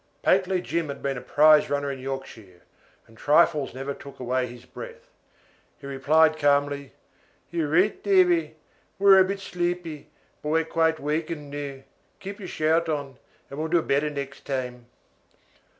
Pately Jim had been a prize runner in Yorkshire, and trifles never took away his breath. He replied calmly: "Yo're o'reet, Davy. We wor a bit sleepy, but we're quite wakken noo. Keep yor shirt on, and we'll do better next time."